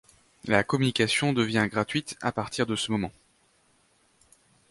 La communication devient gratuite à partir de ce moment.